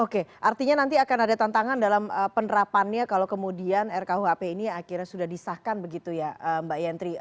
oke artinya nanti akan ada tantangan dalam penerapannya kalau kemudian rkuhp ini akhirnya sudah disahkan begitu ya mbak yantri